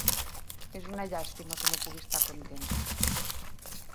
És una llàstima que no pugui estar contenta.